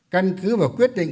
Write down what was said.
căn cứ và quyết định